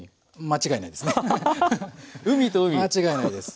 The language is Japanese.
間違いないです！